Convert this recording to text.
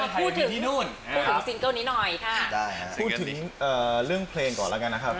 พูดถึงซิงค์นี้หน่อยพูดถึงเรื่องเพลงก่อแล้วกันนะครับ